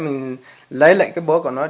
mình lấy lại cái bó của nó